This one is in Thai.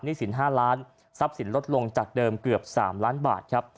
สิน๕ล้านทรัพย์สินลดลงจากเดิมเกือบ๓ล้านบาทครับ